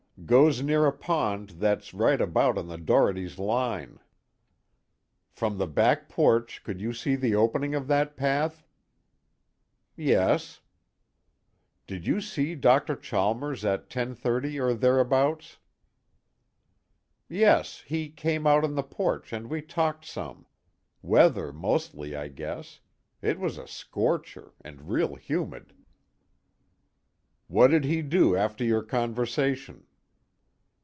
"Goes near a pond that's right about on the Dohertys' line." "From the back porch could you see the opening of that path?" "Yes." "Did you see Dr. Chalmers at 10:30 or thereabouts?" "Yes, he came out on the porch and we talked some. Weather mostly I guess. It was a scorcher, and real humid." "What did he do after your conversation?"